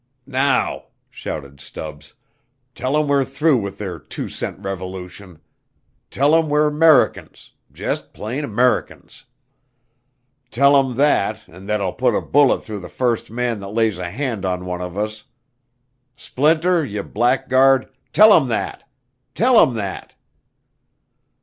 "Now," shouted Stubbs, "tell 'em we're through with their two cent revolution. Tell 'em we're 'Mericans jus' plain 'Mericans. Tell 'em thet and thet I'll put a bullet through the first man that lays a hand on one of us. Splinter, ye blackguard, tell 'em that! Tell 'em that!"